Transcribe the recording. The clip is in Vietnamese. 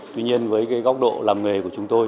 tuy nhiên với cái góc độ làm nghề của chúng tôi